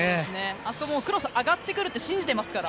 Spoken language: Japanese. あそこ、クロスが上がってくるって信じていますから。